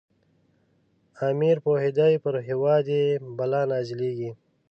امیر پوهېدی پر هیواد یې بلا نازلیږي.